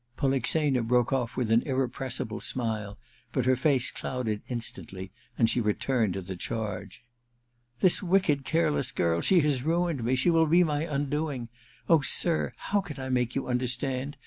l^olixena broke off with an irrepressible smile ; but her face clouded instandy and she returned to the charge. *This wicked, careless girl — she has ruined me, she will be my undoing ! Oh, sir, how can I make you understand?